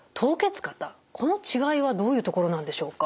この違いはどういうところなんでしょうか？